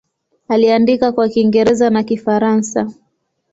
Aliandika kwa Kiingereza na Kifaransa.